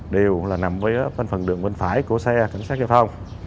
đều nằm bên phần đường bên phải của xe cảnh sát giao thông